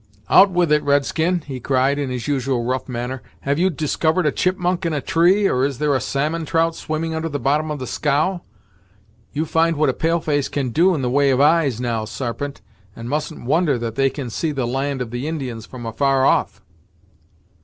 "Out with it, red skin," he cried, in his usual rough manner. "Have you discovered a chipmunk in a tree, or is there a salmon trout swimming under the bottom of the scow? You find what a pale face can do in the way of eyes, now, Sarpent, and mustn't wonder that they can see the land of the Indians from afar off."